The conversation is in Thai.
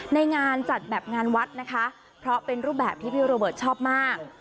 ในงานจัดแบบงานวัดนะคะเพราะเป็นรูปแบบที่พี่โรเบิร์ตชอบมาก